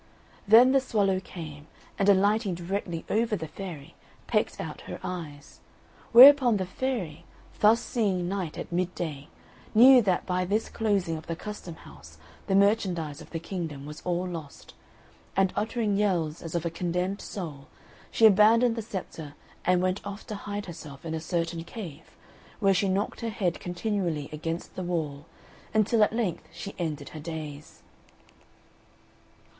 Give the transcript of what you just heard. Then the swallow came, and alighting directly over the fairy, pecked out her eyes. Whereupon the fairy, thus seeing night at midday, knew that by this closing of the custom house the merchandise of the kingdom was all lost; and uttering yells, as of a condemned soul, she abandoned the sceptre and went off to hide herself in a certain cave, where she knocked her head continually against the wall, until at length she ended her days.